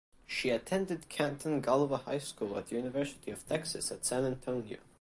She attended Canton Galva High School and University of Texas at San Antonio.